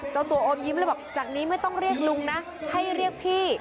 เจ้าตัวอมยิ้มเลยบอกจากนี้ไม่ต้องเรียกลุงนะให้เรียกพี่